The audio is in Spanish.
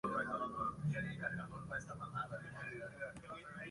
Los efectos de la droga son marcadamente más evidentes en dosis más altas.